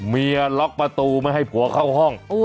เหล้ากระไดษมาให้ผัวเข้าห้อง